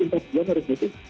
itu dia yang harus diketik